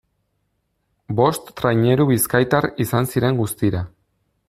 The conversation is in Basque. Bost traineru bizkaitar izan ziren guztira.